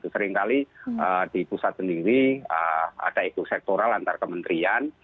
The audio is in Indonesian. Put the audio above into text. seringkali di pusat sendiri ada ekosektoral antar kementerian